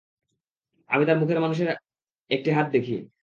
আমি তার মুখে মানুষের একটি হাত দেখি।